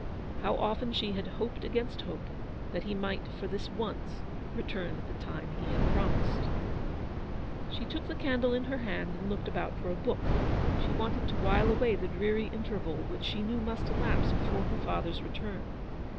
How often she had "hoped against hope," that he might, for this once, return at the time he had promised. She took the candle in her hand and looked about for a book. She wanted to while away the dreary interval which she knew must elapse before her father's return.